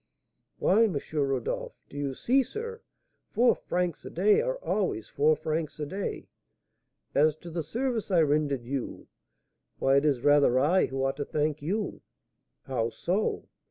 "Why, M. Rodolph, do you see, sir, four francs a day are always four francs a day. As to the service I rendered you, why, it is rather I who ought to thank you." "How so?"